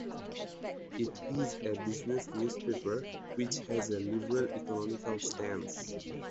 It is a business newspaper which has a liberal economical stance.